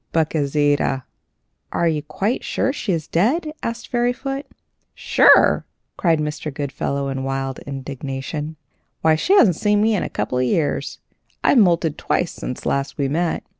But Gauzita " "Are you quite sure she is dead?" asked Fairyfoot. "Sure!" cried Mr. Goodfellow, in wild indignation, "why, she hasn't seen me for a couple of years. I've moulted twice since last we met.